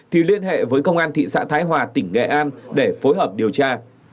thì liên hệ với công an thị xã thái hòa tỉnh nghệ an để phối hợp điều tra